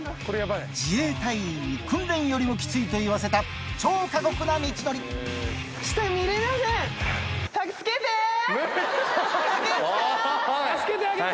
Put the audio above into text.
自衛隊員に訓練よりもキツいと言わせた超過酷な道のり助けてあげて。